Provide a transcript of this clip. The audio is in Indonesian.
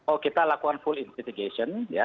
oh kita lakukan full investigation ya